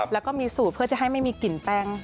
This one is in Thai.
แล้วก็มีสูตรเพื่อจะให้ไม่มีกลิ่นแป้ง